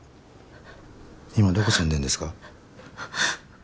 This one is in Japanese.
今どこ住んでるんですか？